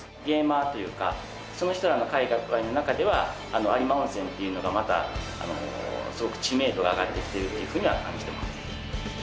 ゲーマーというかその人らの改革案のなかでは有馬温泉っていうのがまたすごく知名度が上がってきているっていうふうには感じています。